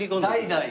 代々？